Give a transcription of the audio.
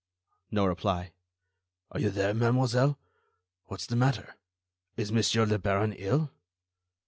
No reply. "Are you there, mademoiselle? What's the matter? Is Monsieur le Baron ill?"